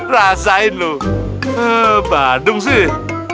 rasain lu badung sih